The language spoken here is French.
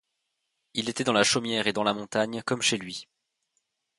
Il était dans la chaumière et dans la montagne comme chez lui.